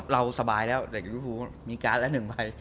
เราสบายแล้วแต่ว่ามีการ์ดละ๑ไป